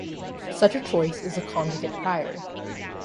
Such a choice is a "conjugate prior".